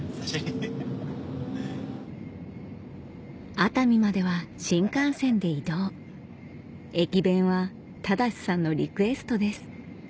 熱海までは新幹線で移動駅弁は正さんのリクエストです